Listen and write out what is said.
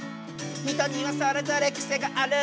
「人にはそれぞれ癖がある」